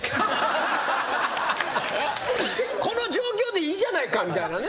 この状況でいいじゃないかみたいなね。